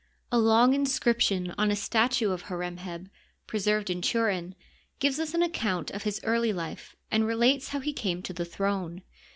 A long inscription on a statue of Hor em heb, preserved in Turin, gives us an account of his early life and relates how he came to the throne.